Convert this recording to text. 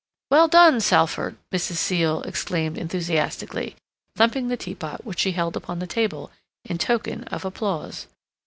"Well done, Salford!" Mrs. Seal exclaimed enthusiastically, thumping the teapot which she held upon the table, in token of applause.